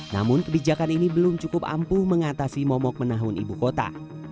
namun kebijakan ini belum cukup ampuh mengatasi momok menahun ibu kota